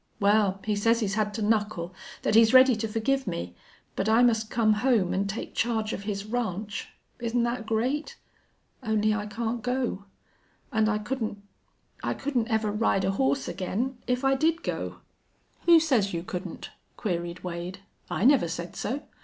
Well, he says he's had to knuckle. That he's ready to forgive me. But I must come home and take charge of his ranch. Isn't that great?... Only I can't go. And I couldn't I couldn't ever ride a horse again if I did go." "Who says you couldn't?" queried Wade. "I never said so.